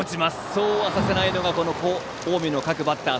そうはさせないのが近江の各バッター。